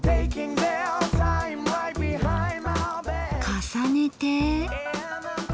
重ねて。